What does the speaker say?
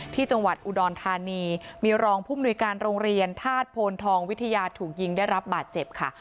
ที่จังหวัดอุดรธานีมีรองผู้มนุยการโรงเรียนธาตุโพนทองวิทยาถูกยิงได้รับบาดเจ็บค่ะ